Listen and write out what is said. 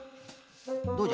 どうじゃ？